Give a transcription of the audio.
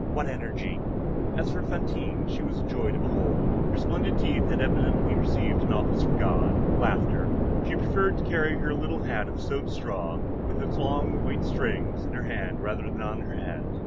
What energy!" As for Fantine, she was a joy to behold. Her splendid teeth had evidently received an office from God,—laughter. She preferred to carry her little hat of sewed straw, with its long white strings, in her hand rather than on her head.